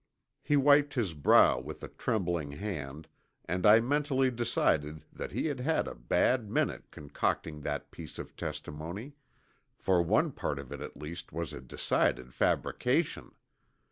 He wiped his brow with a trembling hand and I mentally decided that he had had a bad minute concocting that piece of testimony for one part of it at least was a decided fabrication.